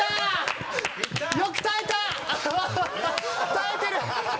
耐えてる！